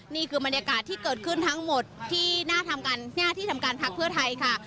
นี่คือบรรยากาศที่เกิดขึ้นทั้งหมดที่หน้าทำการหน้าที่ทำการพักเพื่อไทยค่ะ